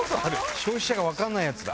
⁉消費者が分かんないやつだ。